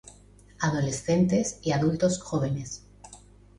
adolescentes y adultos jóvenes